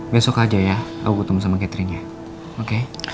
besok aja ya aku ketemu sama catherine nya oke